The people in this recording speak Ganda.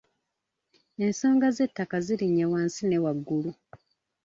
Ensonga z'ettaka zirinye wansi ne waggulu.